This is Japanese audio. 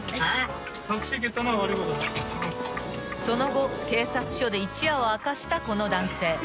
［その後警察署で一夜を明かしたこの男性］